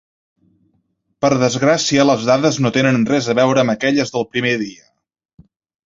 Per desgràcia les dades no tenen res a veure amb aquelles del primer dia.